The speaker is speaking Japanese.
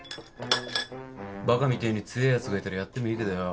バカみてえに強えやつがいたらやってもいいけどよ